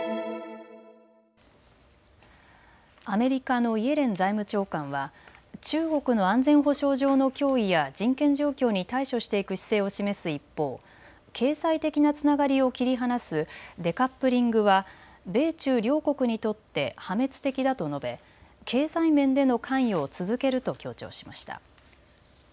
アメリカのイエレン財務長官は中国の安全保障上の脅威や人権状況に対処していく姿勢を示す一方、経済的なつながりを切り離すデカップリングは米中両国にとって破滅的だと述べ経済面での関与を続けると強調しました。